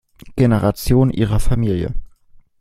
Generation ihrer Familie.